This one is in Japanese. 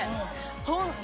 ホントに。